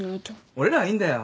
俺らはいいんだよ。